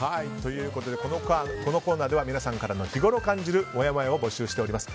このコーナーでは皆さんからの日ごろ感じるもやもやを募集しております。